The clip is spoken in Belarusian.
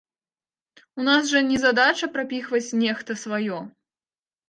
У нас жа не задача прапіхваць нехта сваё!